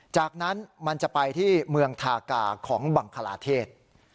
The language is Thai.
จากนั้นมันจะไปที่เมืองทากาของบังคลาเทศ